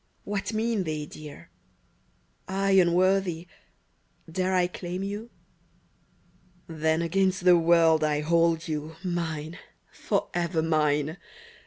. What mean they, dear ? I, unworthy, — dare I claim you ? Then, against the world, I hold you : Mine — forever mine